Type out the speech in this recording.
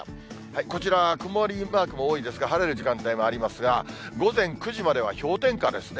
こちらは曇りマークも多いですが、晴れる時間帯もありますが、午前９時までは氷点下ですね。